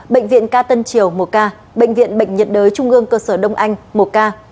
bệnh viện ca tân triều một ca bệnh viện bệnh nhiệt đới trung ương cơ sở đông anh một ca